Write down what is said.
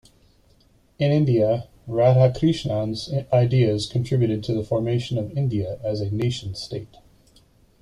In India, Radhakrishnan's ideas contributed to the formation of India as a nation-state.